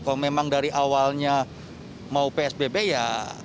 kalau memang dari awalnya mau psbb ya